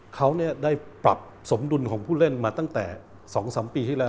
เขาได้ปรับสมดุลของผู้เล่นมาตั้งแต่๒๓ปีที่แล้ว